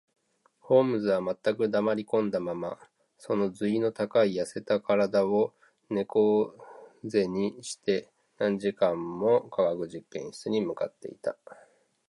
ホームズは全く黙りこんだまま、その脊の高い痩せた身体を猫脊にして、何時間も化学実験室に向っていた